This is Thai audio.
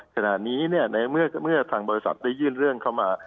ขณะนี้ในเมื่อทางบริษัทได้ยื่นเรื่องเข้ามา